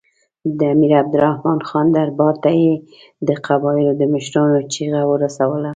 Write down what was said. د امیر عبدالرحمن خان دربار ته یې د قبایلو د مشرانو چیغه ورسوله.